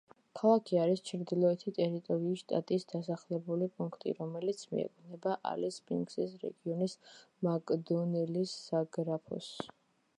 ქალაქი არის ჩრდილოეთი ტერიტორიის შტატის დასახლებული პუნქტი, რომელიც მიეკუთვნება ალის-სპრინგსის რეგიონის მაკდონელის საგრაფოს.